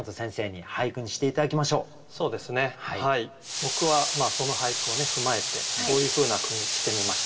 僕はその俳句を踏まえてこういうふうな句にしてみました。